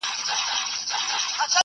د اسلامي دولت مسئولیتونه درې دي.